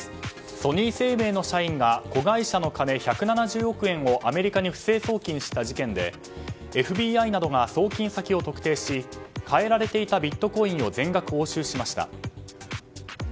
ソニー生命の社員が子会社の金１７０億円をアメリカに不正送金した事件でＦＢＩなどが送金先を特定し換えられていたビットコインを全額押収しました。